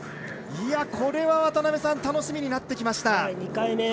これは、渡辺さん楽しみになってきました。